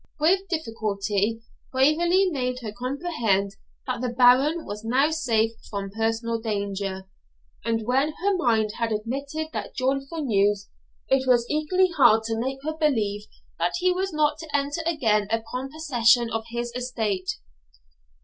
With difficulty Waverley made her comprehend that the Baron was now safe from personal danger; and when her mind had admitted that joyful news, it was equally hard to make her believe that he was not to enter again upon possession of his estate.